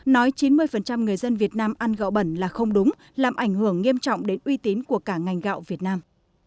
nói chín mươi người dân việt nam ăn gạo bẩn là không đúng làm ảnh hưởng nghiêm trọng đến uy tín của cả ngành gạo việt nam